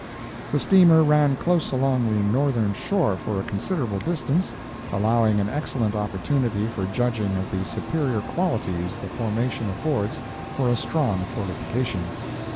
—The steamer ran close along the northern shore for a considerable distance, allowing an excellent opportunity for judging of the superior qualities the formation affords for a strong fortification.